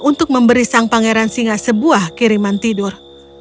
untuk memberi sang pangeran singa sebuah kiriman tidur